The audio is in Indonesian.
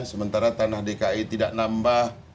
sementara tanah dki tidak nambah